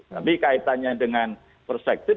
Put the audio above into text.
tapi kaitannya dengan perspektif